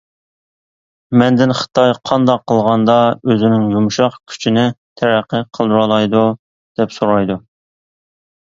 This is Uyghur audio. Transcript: مەندىن «خىتاي قانداق قىلغاندا ئۆزىنىڭ يۇمشاق كۈچىنى تەرەققىي قىلدۇرالايدۇ؟» دەپ سورايدۇ.